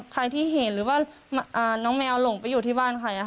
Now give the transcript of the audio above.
ใครที่เห็นหรือว่าน้องแมวหลงไปอยู่ที่บ้านใคร